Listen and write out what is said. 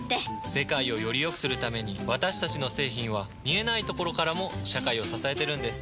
世界をよりよくするために私たちの製品は見えないところからも社会を支えてるんです。